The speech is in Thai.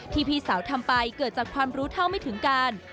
พี่สาวทำไปเกิดจากความรู้เท่าไม่ถึงการ